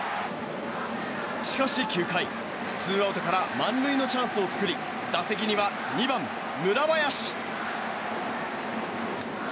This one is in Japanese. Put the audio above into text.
しかし９回ツーアウトから満塁のチャンスを作り打席には２番、村林。